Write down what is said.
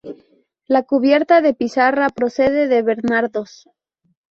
La cubierta de pizarra procede de Bernardos.